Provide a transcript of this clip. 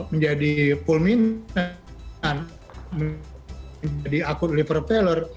menjadi fulminan menjadi akur liver failure